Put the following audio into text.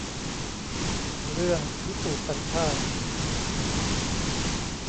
เรื่องพิสูจน์สัญชาติ